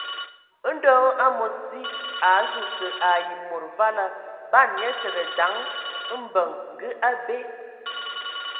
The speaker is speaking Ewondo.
Ndɔ hm, amos di, a azu kə ai mod vala, ban nye təgə daŋ mbəŋ ngə abe.